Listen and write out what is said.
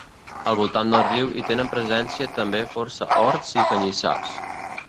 Al voltant del riu hi tenen presència també força horts i canyissars.